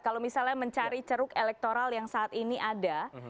kalau misalnya mencari ceruk elektoral yang saat ini ada